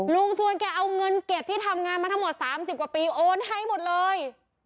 ทวนแกเอาเงินเก็บที่ทำงานมาทั้งหมด๓๐กว่าปีโอนให้หมดเลย